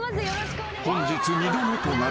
［本日二度目となる］